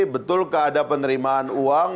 betul keadaan penerimaan uang